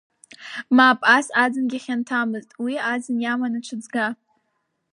Мап, ас аӡынгьы хьанҭамызт, уи аӡын иаман аҽыҵга.